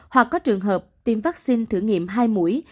hoặc có trường hợp tiêm vaccine thử nghiệm hai mũi